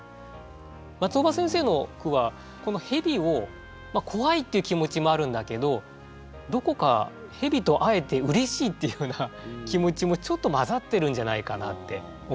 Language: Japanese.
松尾葉先生の句はこの「へび」を怖いっていう気持ちもあるんだけどどこかへびと会えてうれしいっていうような気持ちもちょっと混ざってるんじゃないかなって思ったんですね。